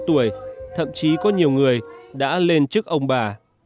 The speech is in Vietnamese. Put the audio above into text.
dù đã hai mươi ba mươi tuổi thậm chí có nhiều người đã lên trước ông bà